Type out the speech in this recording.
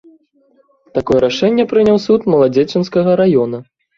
Такое рашэнне прыняў суд маладзечанскага раёна.